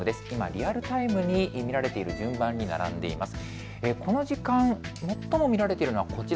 リアルタイムに見られている順番に並んでいます。